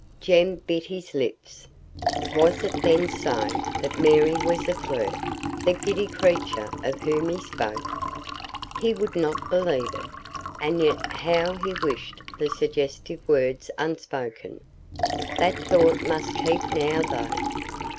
Jem bit his lips. Was it then so; that Mary was a flirt, the giddy creature of whom he spoke? He would not believe it, and yet how he wished the suggestive words unspoken. That thought must keep now, though.